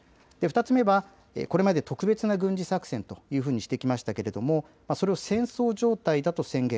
２つ目は、これまで特別な軍事作戦というふうにしてきましたけれどもそれを戦争状態だと宣言。